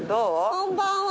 こんばんは。